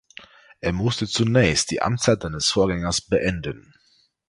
Er musste zunächst die Amtszeit seines Vorgängers beenden.